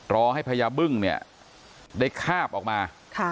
รอให้พญาบึ้งเนี่ยได้คาบออกมา